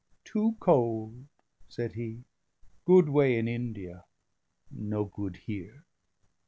"Too cold," said he, "good way in India, no good here."